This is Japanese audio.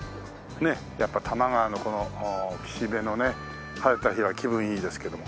やっぱ多摩川のこの岸辺のね晴れた日は気分いいですけども。